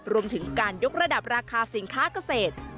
รวมถึงการยกระดับราคาสินค้าเกษตร